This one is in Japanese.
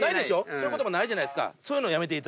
そういう言葉ないじゃない。